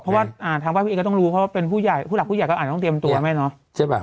เพราะว่าทางบ้านพี่เอ๋ก็ต้องรู้เพราะพี่หลักผู้ใหญ่ก็เอ่งต้องเตรียมตัว